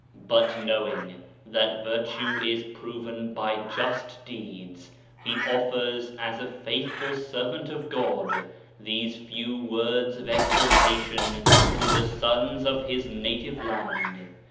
But knowing that virtue is proven by just deeds, he offers, as a faithful servant of God, these few words of exhortation to the sons of his native land.